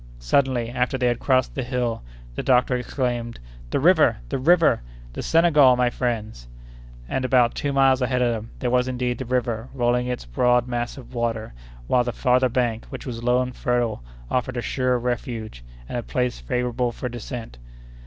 Suddenly, after they had crossed the hill, the doctor exclaimed: "The river! the river! the Senegal, my friends!" And about two miles ahead of them, there was indeed the river rolling along its broad mass of water, while the farther bank, which was low and fertile, offered a sure refuge, and a place favorable for a descent.